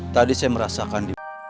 tadi saya merasakan